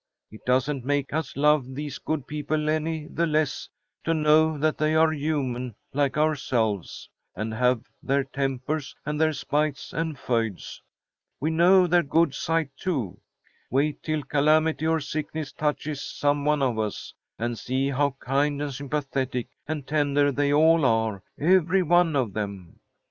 It doesn't make us love these good people any the less to know that they are human like ourselves, and have their tempers and their spites and feuds. We know their good side, too. Wait till calamity or sickness touches some one of us, and, see how kind and sympathetic and tender they all are; every one of them."